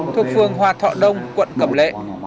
thuộc phương hòa thọ đông quận cẩm lệ